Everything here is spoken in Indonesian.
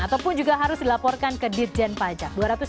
ataupun juga harus dilaporkan ke dirjen pajak